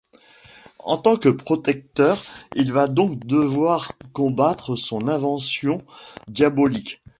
En tant que protecteur, il va donc devoir combattre son invention diabolique.